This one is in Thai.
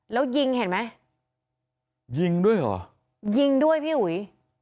แล้วยิงเห็นไหมยิงด้วยเหรอยิงด้วยพี่อุ๋ย